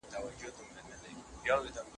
زه اجازه لرم چي وخت تېرووم.